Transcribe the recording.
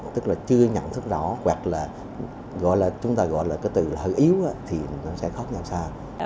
tức là chưa nhận thức rõ hoặc là chúng ta gọi là từ hợp yếu thì sẽ khóc nhau xa